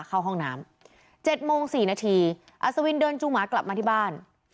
เข้าห้องน้ำ๗โมง๔นาทีอัศวินเดินจูงหมากลับมาที่บ้าน